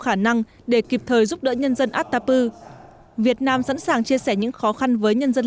khả năng để kịp thời giúp đỡ nhân dân atapu việt nam sẵn sàng chia sẻ những khó khăn với nhân dân